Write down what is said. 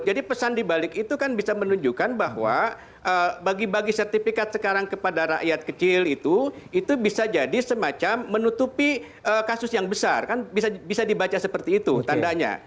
pesan dibalik itu kan bisa menunjukkan bahwa bagi bagi sertifikat sekarang kepada rakyat kecil itu itu bisa jadi semacam menutupi kasus yang besar kan bisa dibaca seperti itu tandanya